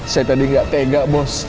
saya tadi nggak tega bos